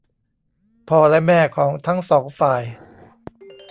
พ่อและแม่ของทั้งสองฝ่าย